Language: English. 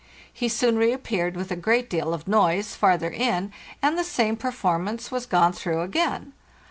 He soon reappeared, with a great deal of noise, farther in, and the same performance was gone through again.